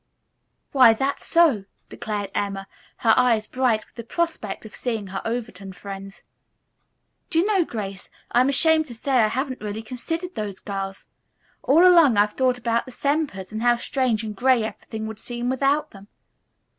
"Why, that's so," declared Emma, her eyes bright with the prospect of seeing her Overton friends. "Do you know, Grace, I'm ashamed to say I hadn't really considered those girls. All along I've thought about the Sempers and how strange and gray everything would seem without them."